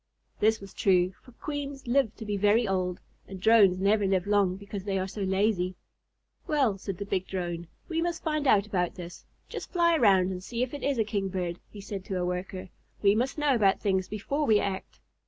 This was true, for Queens live to be very old, and Drones never live long because they are so lazy. "Well," said the big Drone, "we must find out about this. Just fly around and see if it is a Kingbird," he said to a Worker. "We must know about things before we act."